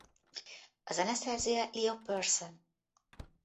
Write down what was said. A zeneszerzője Leo Pearson.